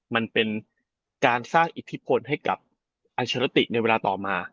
มันเป็นการสร้างอิทธิพลให้กับอัชรติในเวลาต่อมา